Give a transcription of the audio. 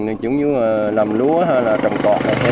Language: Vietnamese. như làm lúa hay là trồng trọt